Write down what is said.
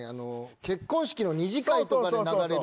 結婚式の２次会とかで流れる。